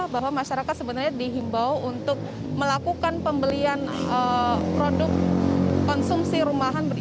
bahwa masyarakat sebenarnya dihimbau untuk melakukan pembelian produk konsumsi rumahan